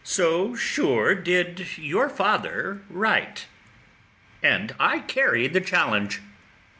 So sure did your father write, and I carry the challenge.